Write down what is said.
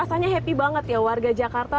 rasanya happy banget ya warga jakarta